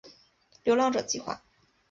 流浪者计画